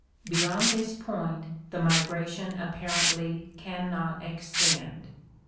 Beyond this point the migration apparently can not extend.